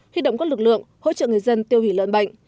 khi động quốc lực lượng hỗ trợ người dân tiêu hủy lợn bệnh